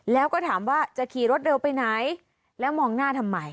แล้วก็ถามว่าจะขี่รถเร็วไปไหนแล้วมองหน้าทำไม